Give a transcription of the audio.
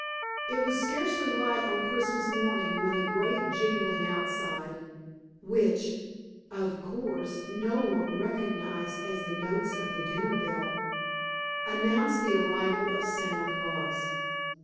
It was scarcely light on Christmas morning when a great jingling outside (which of course no one recognized as the notes of the dinner bell) announced the arrival of Santa Claus.